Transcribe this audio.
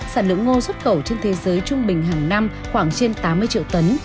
sản lượng ngô xuất khẩu trên thế giới trung bình hàng năm khoảng trên tám mươi triệu tấn